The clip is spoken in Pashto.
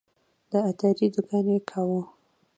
د عطاري دوکان یې کاوه.